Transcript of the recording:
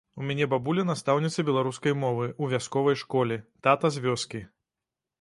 У мяне бабуля настаўніца беларускай мовы ў вясковай школе, тата з вёскі.